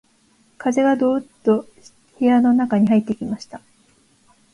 風がどうっと室の中に入ってきました